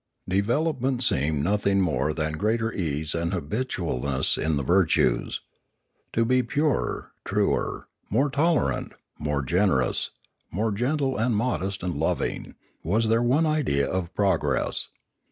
Development seemed nothing more than greater ease and habitualness in the virtues. To be purer, truer, more tolerant, more generous, more gentle and modest and loving, was their one idea of progress.